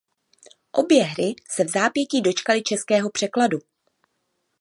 Obě hry se vzápětí dočkaly českého překladu.